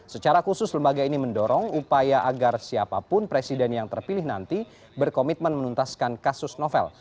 secara khusus lembaga ini mendorong upaya agar siapapun presiden yang terpilih nanti berkomitmen menuntaskan kasus novel